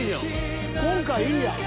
今回いいやん。